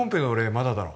まだだろ